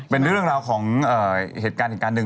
เป็นเรื่องราวของเหตุการณ์เหตุการณ์หนึ่ง